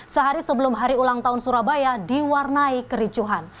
sehari sebelum hari ulang tahun surabaya diwarnai kericuhan